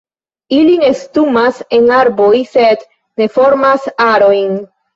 Ili nestumas en arboj, sed ne formas arojn.